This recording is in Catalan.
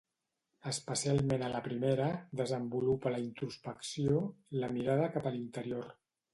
Especialment a la primera, desenvolupa la introspecció, la mirada cap a l'interior.